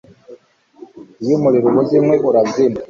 iyo umuriro ubuze inkwi, urazima